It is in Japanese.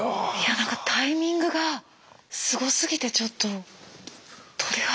なんかタイミングがすごすぎてちょっと鳥肌。